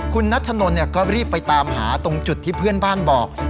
คุณนัชนนก็รีบไปตามหาตรงจุดที่เพื่อนบ้านบอก